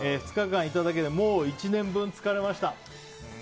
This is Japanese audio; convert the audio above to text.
２日間いただけでもう１年分、疲れました。